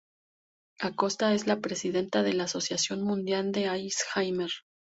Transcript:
Acosta es la presidenta de la Asociación Mundial de Alzheimer.